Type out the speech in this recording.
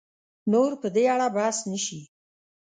نور په دې اړه بحث نه شي